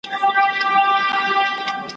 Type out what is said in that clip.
د غپا او انګولا یې ورک درک سي `